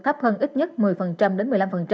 thấp hơn ít nhất một mươi đến một mươi năm